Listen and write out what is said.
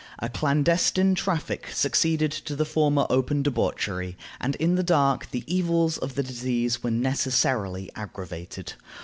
A clandestine traffic succeeded to the former open debauchery, and in the dark the evils of the disease were necessarily aggravated.